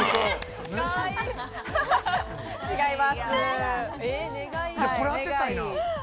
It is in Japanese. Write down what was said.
違います。